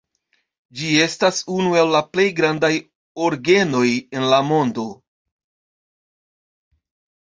Ĝi estas unu el la plej grandaj orgenoj en la mondo.